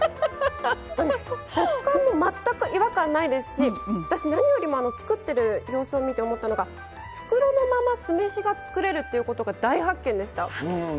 食感も違和感ないですし私、何より作っている様子を見て思ったのが袋のまま酢飯が作れるっていうことが大発見でした。